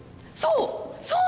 そう！